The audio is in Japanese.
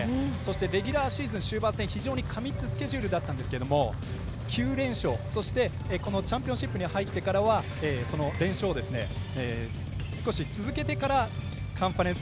レギュラーシーズン終盤戦非常に過密スケジュールだったんですが９連勝、そしてチャンピオンシップに入ってからは連勝を少し続けてからカンファレンス